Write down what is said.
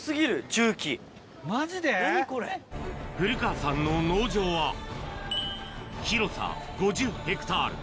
古川さんの農場は、広さ５０ヘクタール。